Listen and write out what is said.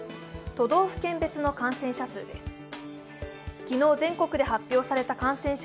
都道府県別の感染者数です。